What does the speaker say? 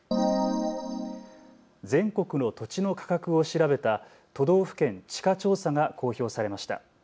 全国の土地の価格を調べた都道府県地価調査が公表されました。